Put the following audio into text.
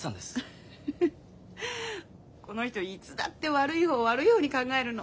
フフッこの人いつだって悪い方悪い方に考えるの。